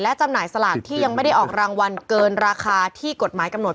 จำหน่ายสลากที่ยังไม่ได้ออกรางวัลเกินราคาที่กฎหมายกำหนด